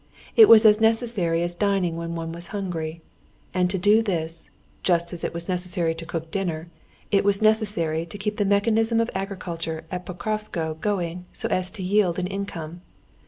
It was as necessary as dining when one was hungry. And to do this, just as it was necessary to cook dinner, it was necessary to keep the mechanism of agriculture at Pokrovskoe going so as to yield an income.